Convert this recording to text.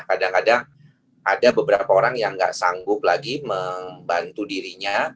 kadang kadang ada beberapa orang yang nggak sanggup lagi membantu dirinya